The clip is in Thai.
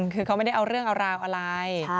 คือเขาไม่ได้เอาเรื่องเอาราวอะไร